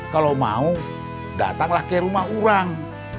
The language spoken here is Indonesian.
kalau mau datanglah ke rumah orang